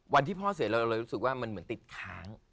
วันที่พ่อเสียเราเลยรู้สึกว่ามันเหมือนติดค้าง